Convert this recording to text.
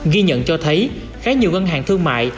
ghi nhận cho thấy khá nhiều ngân hàng thương mại